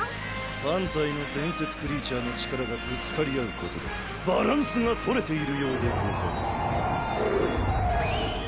３体の伝説クリーチャーの力がぶつかり合うことでバランスが取れているようでござる。